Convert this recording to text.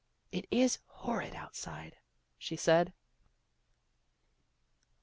" It is horrid outside," she said.